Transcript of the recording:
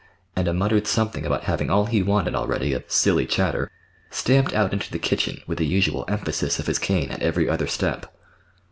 and a muttered something about having all he wanted already of "silly chatter," stamped out into the kitchen, with the usual emphasis of his cane at every other step.